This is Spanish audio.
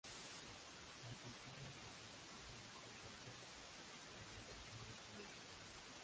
La tercera objeción es sobre el grupo "E", el de los climas fríos.